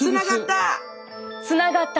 つながった！